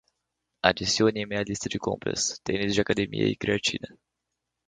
Adicione à minha lista de compras: tênis de academia e creatina